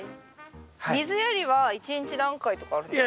水やりは一日何回とかあるんですか？